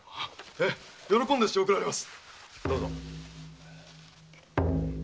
喜んで塩を送られます。